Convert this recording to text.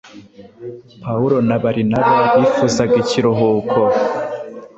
Pawulo na Barinaba bifuzaga ikiruhuko,